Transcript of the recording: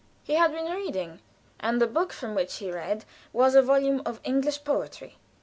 He had been reading, and the book from which he read was a volume of English poetry.